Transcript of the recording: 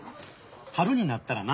春になったらな